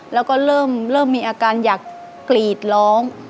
แล้วก็เริ่มมีอาการอยากกรีดร้อง